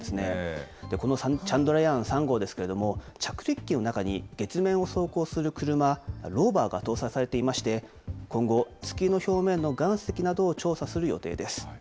このチャンドラヤーン３号ですけれども、着陸機の中に月面を走行する車、ローバーが搭載されていまして、今後、月の表面の岩石などを調査する予定です。